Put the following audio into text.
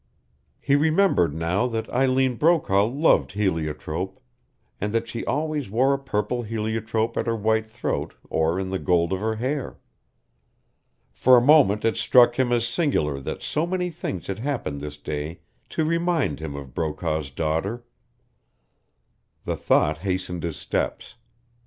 He remembered now that Eileen Brokaw loved heliotrope, and that she always wore a purple heliotrope at her white throat or in the gold of her hair. For a moment it struck him as singular that so many things had happened this day to remind him of Brokaw's daughter. The thought hastened his steps.